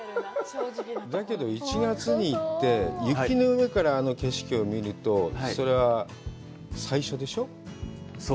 だけど、１月に行って、雪の上からあの景色を見ると、それは、最初でしょう？